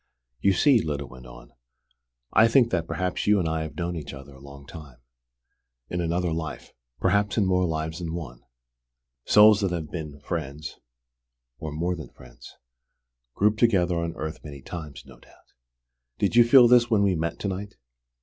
"You see," Lyda went on, "I think that perhaps you and I have known each other a long time: in another life: perhaps in more lives than one. Souls that have been friends or more than friends group together on earth many times, no doubt. Did you feel this when we met to night?"